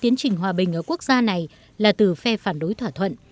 tiến trình hòa bình ở quốc gia này là từ phe phản đối thỏa thuận